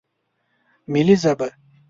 ملي ژبه